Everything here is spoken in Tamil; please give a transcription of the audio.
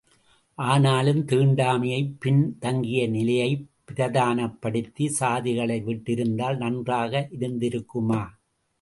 ஆனாலும் தீண்டாமையை பின் தங்கிய நிலையைப் பிரதானப்படுத்தி சாதிகளை விட்டிருந்தால் நன்றாக இருந்திருக்குமா?